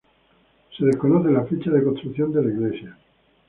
Se desconoce la fecha de construcción de la iglesia.